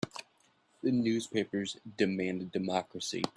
The newspapers demanded democracy.